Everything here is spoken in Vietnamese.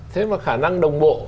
thế mà khả năng đồng bộ